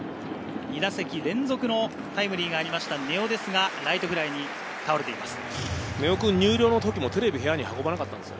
２打席連続のタイムリーがあった根尾ですが、ライトフライに倒れています。